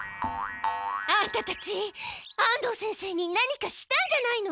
アンタたち安藤先生に何かしたんじゃないの？